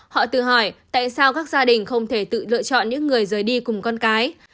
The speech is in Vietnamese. họ tự hỏi tại sao các gia đình không thể tự lựa chọn những người rời đi cùng con cái